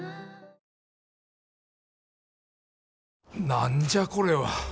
何じゃこれは。